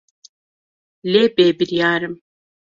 Lê bêbiryar im.